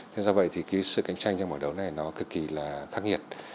thế do vậy thì sự cạnh tranh trong bảng đấu này nó cực kỳ là khắc nghiệt